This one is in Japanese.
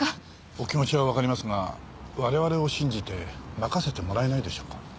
お気持ちはわかりますが我々を信じて任せてもらえないでしょうか？